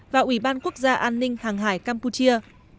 và ủy ban quốc gia an ninh hàng hải campuchia